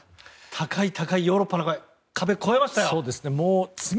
高い高いヨーロッパの壁超えましたよ。